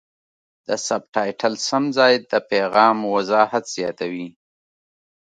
د سبټایټل سم ځای د پیغام وضاحت زیاتوي.